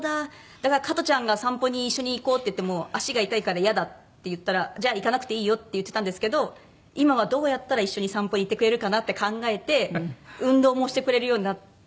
だから加トちゃんが「散歩に一緒に行こう」って言っても「足が痛いからイヤだ」って言ったら「じゃあ行かなくていいよ」って言ってたんですけど今はどうやったら一緒に散歩に行ってくれるかなって考えて運動もしてくれるようになって。